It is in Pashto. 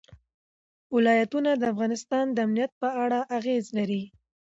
ولایتونه د افغانستان د امنیت په اړه اغېز لري.